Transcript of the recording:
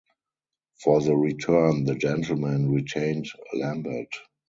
For the return, the Gentlemen retained Lambert.